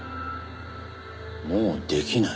「もうできない」。